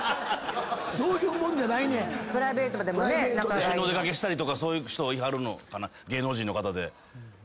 一緒にお出掛けしたりそういう人いはるのかな芸能人の方で。